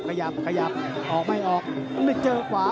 เรื่องขยับขยับขยับโอกไม่ออก